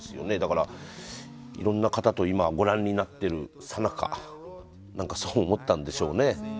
いろんな方とご覧になってるさなかそう思ったんでしょうね。